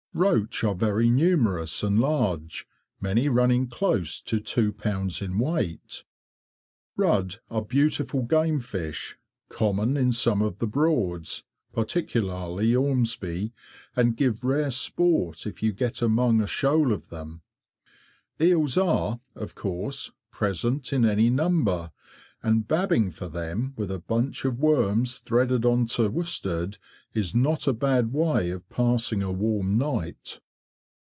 Roach are very numerous and large, many running close to two pounds in weight. Rudd are beautiful game fish, common in some of the Broads, particularly Ormesby, and give rare sport if you get among a shoal of them. Eels are, of course, present in any number, and "babbing" for them, with a bunch of worms threaded on to worsted, is not a bad way of passing a warm night.